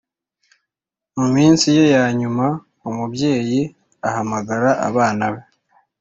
mu minsi ye ya nyuma umubyeyi ahamagara abana be